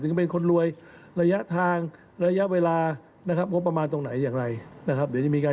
ตอนนี้ยังไม่ได้ข้อสรุปค่ะ